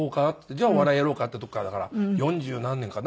じゃあお笑いやろうかっていうところからだから四十何年かな。